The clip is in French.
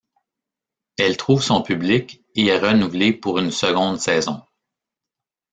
Elle trouve son public et est renouvelée pour une seconde saison.